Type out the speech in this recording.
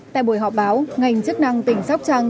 tại buổi họp báo ngành chức năng tỉnh sóc trăng